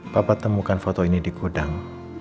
papa temukan foto ini di gudang